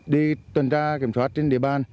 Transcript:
đi tuần tra kiểm soát trên địa bàn